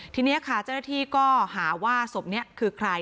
ทีนี้ค่ะเจ้าหน้าที่ก็หาว่าศพนี้คือใคร